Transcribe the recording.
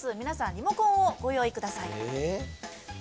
皆さん、リモコンをご用意ください。